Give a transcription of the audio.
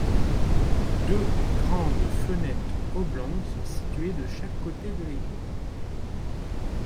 Deux grandes fenêtres oblongues sont situées de chaque côté de l'église.